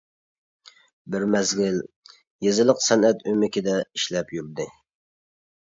بىر مەزگىل يېزىلىق سەنئەت ئۆمىكىدە ئىشلەپ يۈردى.